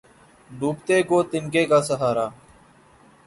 ڈیںبتیں کیں تنکیں کا سہارا